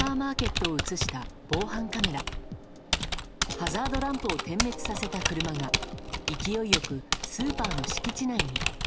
ハザードランプを点滅させた車が、勢いよくスーパーの敷地内に。